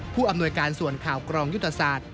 ผู้อำนวยการส่วนข่าวกรองยุทธศาสตร์